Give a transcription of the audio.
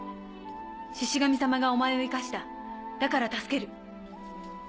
シシ神様がお前を生かしただから助ける。